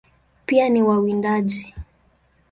Pia ni wawindaji.